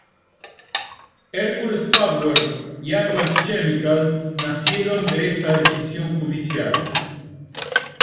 Hercules Powder y Atlas Chemical nacieron de esta decisión judicial.